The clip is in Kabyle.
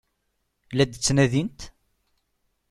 La t-ttnadint?